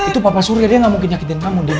itu papa surya dia gak mungkin nyakitin kamu din